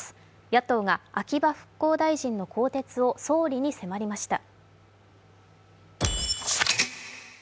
野党が秋葉復興大臣の更迭を総理に迫りました。